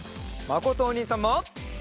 まことおにいさんも！